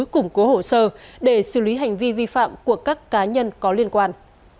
củng cố hồ sơ để xử lý hành vi vi phạm của các cá nhân có liên quan